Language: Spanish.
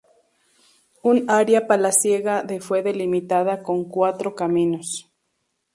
Un área palaciega de fue delimitada con cuatro caminos.